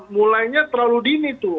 mulainya terlalu dini tuh